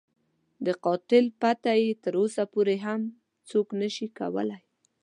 د قاتل پته یې تر اوسه پورې هم څوک نه شي کولای.